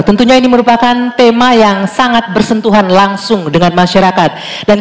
tentunya ini merupakan tema yang sangat bersentuhan langsung dengan masyarakat dan